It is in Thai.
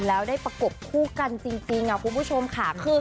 แล้วได้ประกบคู่กันจริงคุณผู้ชมค่ะ